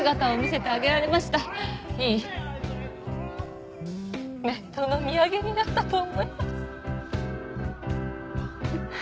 いい冥土の土産になったと思います